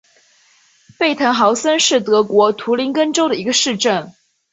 贝滕豪森是德国图林根州的一个市镇。